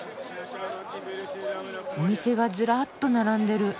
お店がずらっと並んでる。